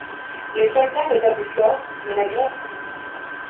Les soldats rétablissent l'ordre, mais la grève continue.